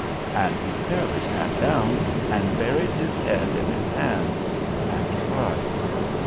And he fairly sat down, and buried his head in his hands, and cried.